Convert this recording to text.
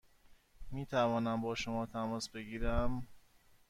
می توانم با شما تماس بگیرم؟